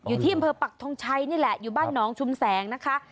อยู่ที่อำเภอปักทงชัยนี่แหละอยู่บ้านหนองชุมแสงนะคะ